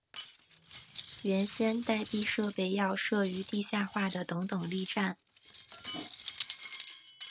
原先待避设备要设于地下化的等等力站。